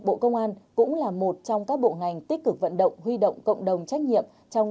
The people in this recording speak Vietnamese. bộ công an cũng là một trong các bộ ngành tích cực vận động huy động cộng đồng trách nhiệm trong